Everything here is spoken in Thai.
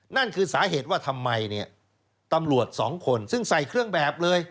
นั่นคือสาเหตุว่าทำไมเนี่ยตำรวจสองคนซึ่งใส่เครื่องแบบเลย